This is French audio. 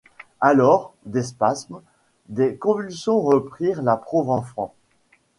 Alors, des spasmes, des convulsions reprirent la pauvre enfant.